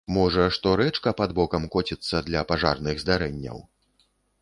Можа, што рэчка пад бокам коціцца для пажарных здарэнняў.